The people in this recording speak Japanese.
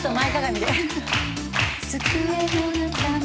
机の中も